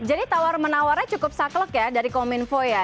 jadi tawar menawarnya cukup saklek ya dari kominfo ya